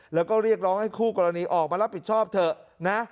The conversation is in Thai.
แล้วก็เรียกร้องให้คู่กรณีออกมารับผิดชอบเถอะนะ